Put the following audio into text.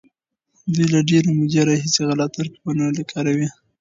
دوی له ډېرې مودې راهيسې غلط ترکيبونه کاروي.